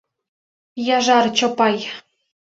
Яжар Чопай.